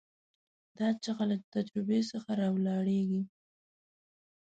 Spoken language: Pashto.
دا چیغه له تجربې څخه راولاړېږي.